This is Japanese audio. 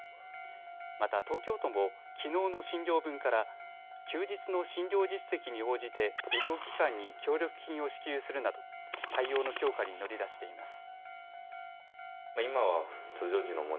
また東京都もきのうの診療分から休日の診療実績に応じて医療機関に協力金を支給するなど対応の強化に乗り出しています。